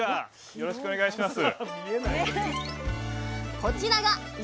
よろしくお願いします！